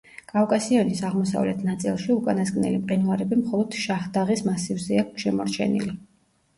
კავკასიონის აღმოსავლეთ ნაწილში უკანასკნელი მყინვარები მხოლოდ შაჰდაღის მასივზეა შემორჩენილი.